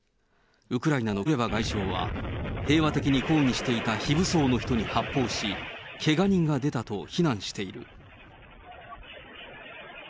ウクライナのクレバ外相は、平和的に抗議していた非武装の人に発砲し、けが人が出たと非難している。